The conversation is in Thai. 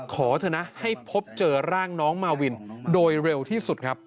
ขอเถอะนะให้พบเจอร่างน้องมาวินโดยเร็วที่สุดครับ